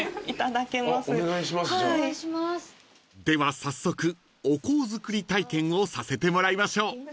［では早速お香作り体験をさせてもらいましょう］